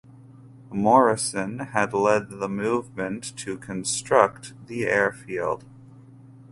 Morrison had led the movement to construct the air field.